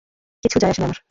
কিচ্ছু যায় আসে না আমার।